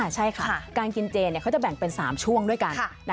ใช่ค่ะการกินเจเขาจะแบ่งเป็น๓ช่วงด้วยกัน